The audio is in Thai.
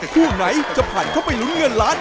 คู่ไหนจะผ่านเข้าไปลุ้นเงินล้าน